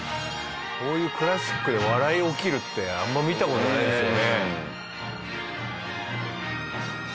こういうクラシックで笑いが起きるってあんまり見た事ないですよね。